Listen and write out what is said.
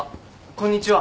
こんにちは。